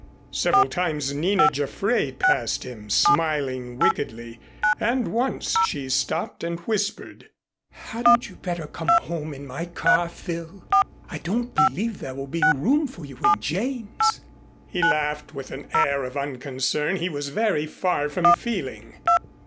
Several times Nina Jaffray passed him smiling wickedly, and once she stopped and whispered. "Hadn't you better go home in my car, Phil? I don't believe there will be room for you in Jane's." He laughed with an air of unconcern he was very far from feeling.